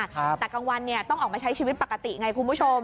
แต่กลางวันเนี่ยต้องออกมาใช้ชีวิตปกติไงคุณผู้ชม